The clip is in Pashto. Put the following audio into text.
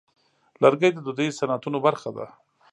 لرګی د دودیزو صنعتونو برخه ده.